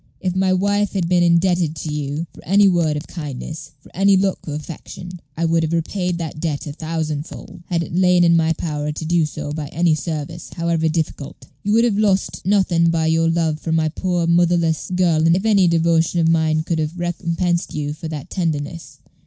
If my wife had been indebted to you for any word of kindness, for any look of affection, I would have repaid that debt a thousand fold, had it lain in my power to do so by any service, however difficult. You would have lost nothing by your love for my poor motherless girl if any devotion of mine could have recompensed you for that tenderness.